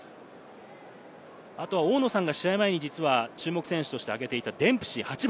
あとは大野さんが試合前に、実は注目選手としてあげていた８番・デンプシー。